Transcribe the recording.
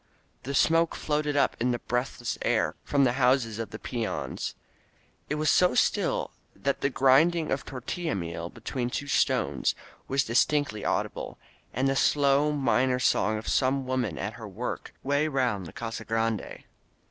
Thin smoke floated up in the breathless air from the houses of the peons. It was so still that the grinding of tortilla meal between two stones was distinctly audi ble — ^and the slow, minor song of some woman at her work way around the Casa Grande.